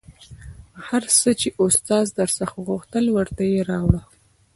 هر څه چې استاد در څخه غوښتل ورته یې راوړه